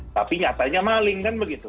tapi nyatanya maling kan begitu